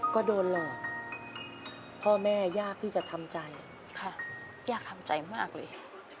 ก็โดนหลอกพ่อแม่ยากที่จะทำใจค่ะยากทำใจมากเลย